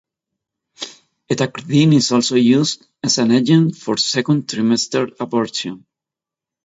Ethacridine is also used as an agent for second trimester abortion.